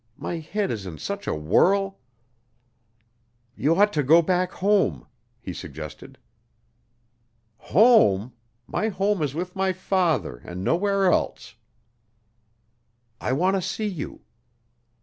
My head is in such a whirl." "You ought to go back home," he suggested. "Home? My home is with my father, and nowhere else." "I want to see you."